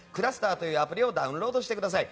ｃｌｕｓｔｅｒというアプリをダウンロードしてください。